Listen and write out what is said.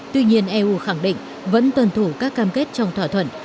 tuy nhiên eu khẳng định vẫn tuân thủ các cam kết trong thỏa thuận